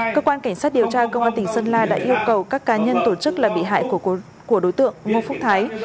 cơ quan cảnh sát điều tra công an tỉnh sơn la đã yêu cầu các cá nhân tổ chức là bị hại của đối tượng ngô phúc thái